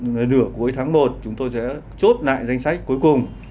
nửa cuối tháng một chúng tôi sẽ chốt lại danh sách cuối cùng